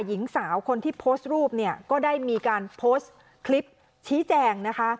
หญิงสาวคนที่โพสต์รูปเนี่ยก็ได้มีการโพสต์คลิปชี้แจงนะคะ